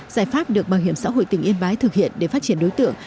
giải pháp được bảo hiểm xã hội tỉnh yên bái thực hiện để phát triển đối tượng